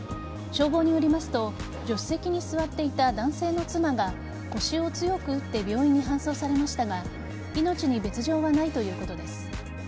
消防によりますと助手席に座っていた男性の妻が腰を強く打って病院に搬送されましたが命に別条はないということです。